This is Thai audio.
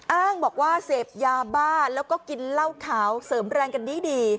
อ้างบอกว่าเสพยาบ้าแล้วก็กินเหล้าขาวเสริมแรงกันดี